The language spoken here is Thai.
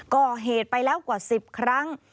ก่อเหตุไปแล้วกว่า๑๐ครั้ง